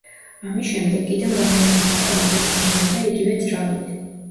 ამის შემდეგ კიდევ რამდენიმე ავტომობილი გამოვიდა იგივე ძრავით.